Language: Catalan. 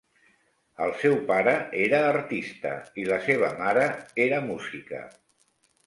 El seu pare era artista i la seva mare era música.